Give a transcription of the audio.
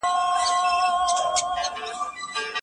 پلار موږ ته را زده کوي چي علم په عبادت کي حسابېږي.